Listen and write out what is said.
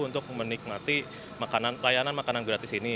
untuk menikmati layanan makanan gratis ini